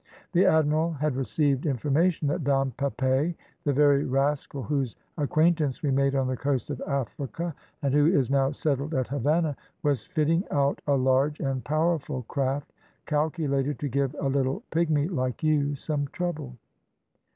The admiral had received information that Don Pepe, the very rascal whose acquaintance we made on the coast of Africa, and who is now settled at Havannah, was fitting out a large and powerful craft, calculated to give a little pigmy, like you, some trouble.